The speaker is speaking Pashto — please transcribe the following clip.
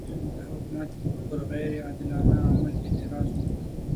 د حکومت پر غیر عادلانه عمل اعتراض وکړو.